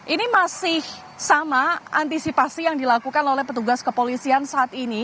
ini masih sama antisipasi yang dilakukan oleh petugas kepolisian saat ini